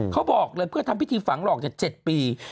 เขาบอกเลยเพื่อทำพิธีฝังหลอกจาก๗ปี